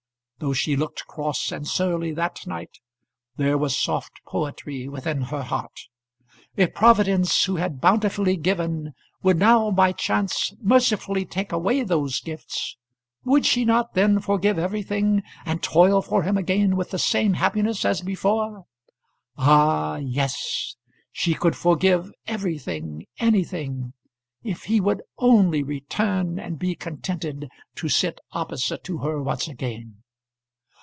Though she looked cross and surly that night, there was soft poetry within her heart. If Providence, who had bountifully given, would now by chance mercifully take away those gifts, would she not then forgive everything and toil for him again with the same happiness as before? Ah! yes; she could forgive everything, anything, if he would only return and be contented to sit opposite to her once again.